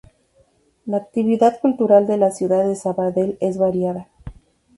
La actividad cultural de la ciudad de Sabadell es variada.